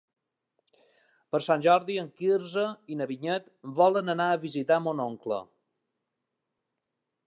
Per Sant Jordi en Quirze i na Vinyet volen anar a visitar mon oncle.